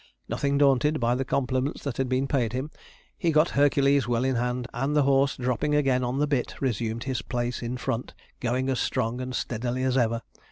Nothing daunted by the compliments that had been paid him, he got Hercules well in hand; and the horse dropping again on the bit, resumed his place in front, going as strong and steadily as ever.